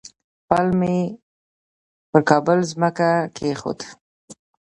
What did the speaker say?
پل مو پر کابل مځکه کېښود.